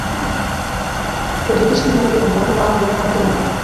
এটি পশ্চিমবঙ্গের বনগাঁ মহকুমার অন্তর্ভুক্ত।